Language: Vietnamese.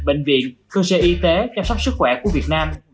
bệnh viện cơ sở y tế chăm sóc sức khỏe của việt nam